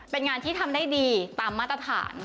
เป็นงานที่ทำได้ดีตามมาตรฐาน